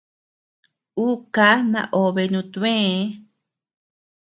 Ú ká naobe nutbëe.